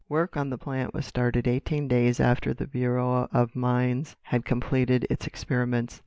"Work on the plant was started eighteen days after the Bureau of Mines had completed its experiments.